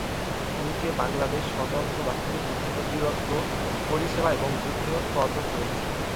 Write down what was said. নিচে বাংলাদেশ সশস্ত্র বাহিনীর বিভিন্ন বীরত্ব, পরিষেবা এবং যুদ্ধ পদক রয়েছে।